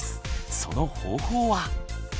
その方法は？